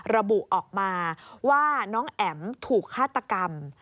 ระบุออกมาว่าน้องแอ๋มถูกฆาตกรรม